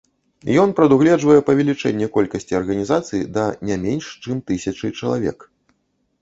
Ён прадугледжвае павелічэнне колькасці арганізацыі да не менш чым тысячы чалавек.